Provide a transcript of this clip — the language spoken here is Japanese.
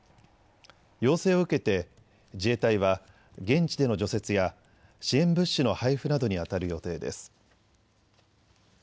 要請を受けて自衛隊は現地での除雪や支援物資の配布などにあたる予定です。